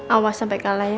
awas sampai kalah ya